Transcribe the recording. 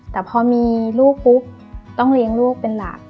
แต่พอมีลูกปุ๊บต้องเลี้ยงลูกเป็นหลัก